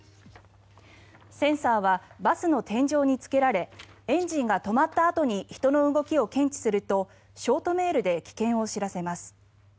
センサーはバスの天井につけられエンジンが止まったあとに人の動きを検知するとショートメールで危険を知らせます。